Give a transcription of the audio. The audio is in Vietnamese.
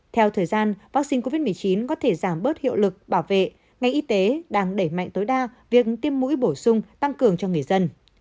theo thời gian vaccine covid một mươi chín có thể giảm bớt hiệu lực bảo vệ ngành y tế đang đẩy mạnh tối đa việc tiêm mũi bổ sung tăng cường cho người dân